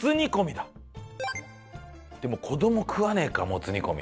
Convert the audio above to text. でも子ども食わねえかもつ煮込み。